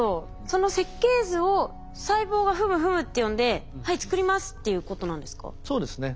その設計図を細胞がフムフムって読んで「はい作ります」っていうことなんですか？